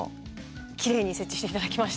きれいに設置して頂きました。